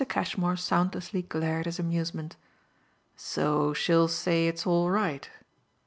Cashmore soundlessly glared his amusement. "So she'll say it's all right?"